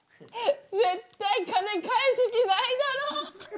絶対金返す気ないだろ。